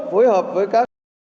phối hợp với các